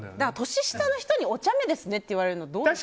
年下の人にお茶目ですねって言われるのどうなの？